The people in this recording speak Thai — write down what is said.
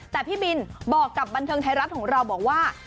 แต่พี่บิลบอกกับบันทึกไทยรัติแหละของเรา